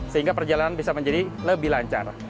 sehingga perjalanan bisa menjadi lebih lancar